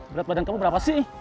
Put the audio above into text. berat badan kamu berapa sih